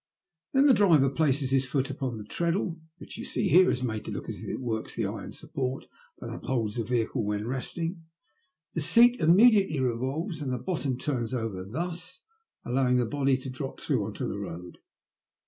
" Then the driver places his foot upon this treadle, which, you see, is made to look as if it works the iron support that upholds the vehicle when resting, the seat immediately revolves and the bottom turns over, thus allowing the body to drop through on to the road.